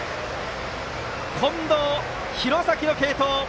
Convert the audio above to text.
近藤、廣崎の継投！